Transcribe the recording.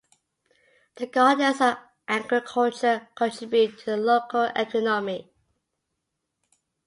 The gardens and agriculture contribute to the local economy.